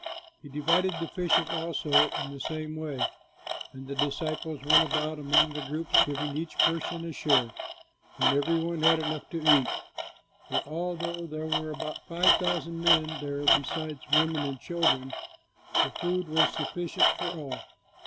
He divided the fishes also in the same way, and the disciples went about among the groups giving each person a share, and everyone had enough to eat; for although there were about five thousand men there, besides women and children, the food was sufficient for all.